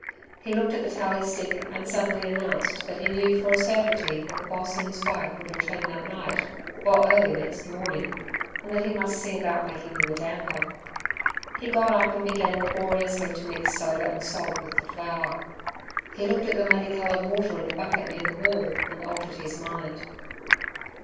He looked at the tally stick, and suddenly announced that he knew for a certainty that the boss and his wife would return that night or early next morning, and that he must see about making them a damper. He got up and began laboriously to mix soda and salt with the flour. He looked at the muddy coloured water in the bucket near the wall, and altered his mind.